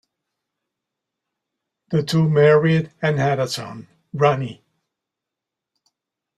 The two married and had a son, Ronnie.